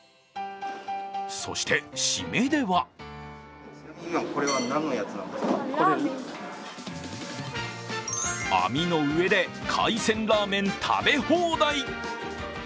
そして、締めでは網の上で海鮮ラーメン食べ放題。